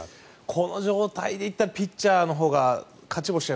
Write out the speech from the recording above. この状態ならピッチャーのほうが勝ち星が。